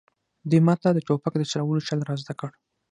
دوی ماته د ټوپک د چلولو چل را زده کړ